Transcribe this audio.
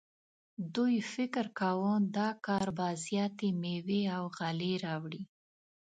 دوی فکر کاوه دا کار به زیاتې میوې او غلې راوړي.